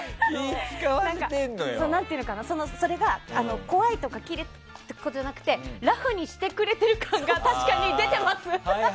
それが怖いとかキレられるとかじゃなくてラフにしてくれてる感が確かに出てます。